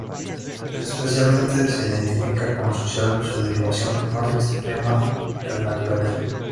Especialmente se identifica con "lo social" su derivación más extrema, el naturalismo.